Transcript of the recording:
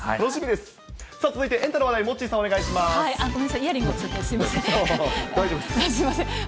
すみません。